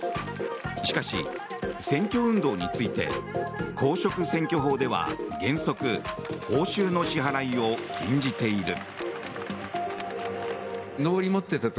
しかし、選挙運動について公職選挙法では原則、報酬の支払いを禁じている。